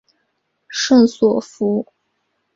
圣索弗。